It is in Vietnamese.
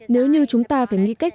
nếu như chúng ta phải nghĩ cách